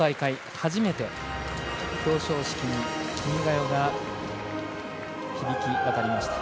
初めて表彰式に「君が代」が響き渡りました。